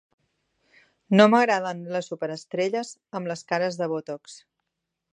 No m'agraden les superestrelles amb les cares de Botox.